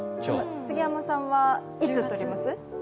杉山さんはいつとります？